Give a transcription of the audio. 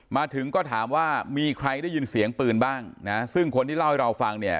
มาถึงก็ถามว่ามีใครได้ยินเสียงปืนบ้างนะซึ่งคนที่เล่าให้เราฟังเนี่ย